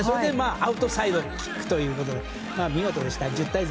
アウトサイドキックということで見事でした１０対０。